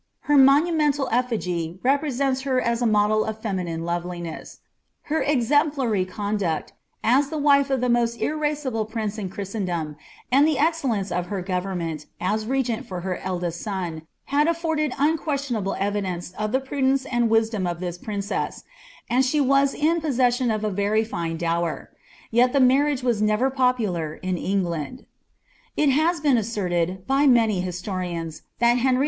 Her monumental eSigy represents her as ■ tnpdrif miniiie loveliness. Her exemplary conduct as the wife of t irascible prince in Christendom, and the excellence of her go as regent for her eldest son, had afforded unquesiionabPe eviileB prudence and wisdom of this princess ; and she very Gue dower ; yet the marriage was never popular in Englw Il has been asserted, by many hisloriaos, that Henry IV.